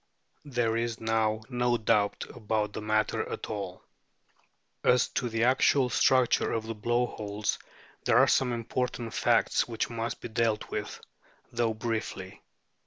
There is now no doubt about the matter at all. As to the actual structure of the blow holes there are some important facts which must be dealt with, though briefly.